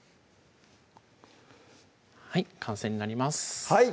はい完成になりますはい！